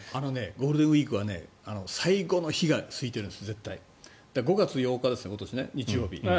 ゴールデンウィークは最後の日がすいてるんです、絶対５月８日ですね、今年は日曜日。